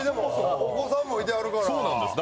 お子さんもいてはるから。